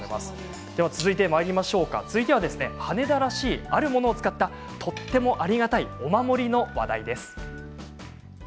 続いて羽田らしいあるものを使ったとってもありがたいお守りの話題です。